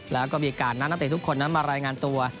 แล้วก็มีการนัดนักเตะทุกคนนั้นมารายงานตัว